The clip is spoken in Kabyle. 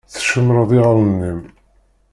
Tcemmṛeḍ iɣallen-im.